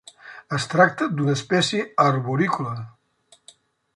Es tracta d'una espècie arborícola.